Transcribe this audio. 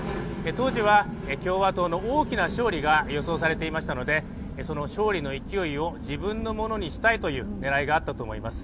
当時は共和党の大きな勝利が予想されていましたので、その勝利の勢いを自分のものにしたいという狙いがあったと思います。